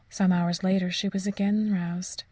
Some hours later she was again aroused.